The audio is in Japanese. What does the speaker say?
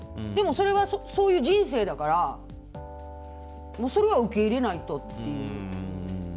それはそういう人生だからそれは受け入れないと。